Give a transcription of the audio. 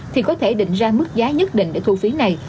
thì có thể định ra mức giá nhất định để thu phí này